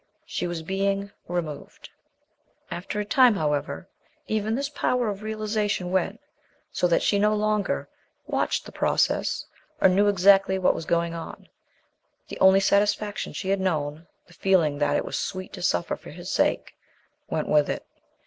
She was being removed. After a time, however, even this power of realization went, so that she no longer "watched the process" or knew exactly what was going on. The one satisfaction she had known the feeling that it was sweet to suffer for his sake went with it.